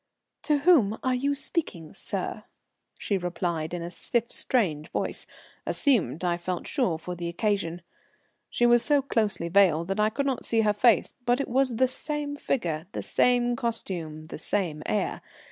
"To whom are you speaking, sir?" she replied in a stiff, strange voice, assumed, I felt sure, for the occasion. She was so closely veiled that I could not see her face, but it was the same figure, the same costume, the same air.